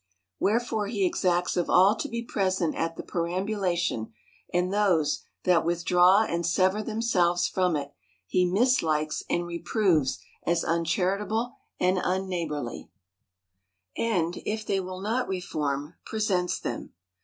Wherefore he exacts of all to be present at the perambulation : and those, that withdraw and sever themselves from it, he mislikes and reproves as uncharitable and unneighborly ; and, if they will not reform, presents them.